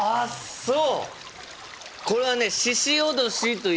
そう。